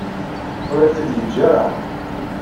Ur ak-t-id-yeǧǧa ara.